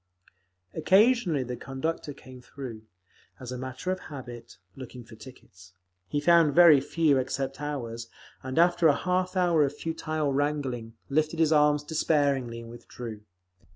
Occasionally the conductor came through, as a matter of habit, looking for tickets. He found very few except ours, and after a half hour of futile wrangling, lifted his arms despairingly and withdrew.